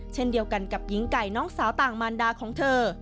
เช่นเดียวกันกับหญิงไก่น้องสาวต่างมารดาของเธอ